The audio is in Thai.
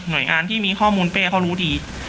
โดยงานที่มีข้อมูลเป้เขารู้ดี